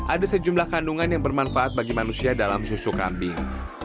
ada sejumlah kandungan yang bermanfaat bagi manusia dalam susu kambing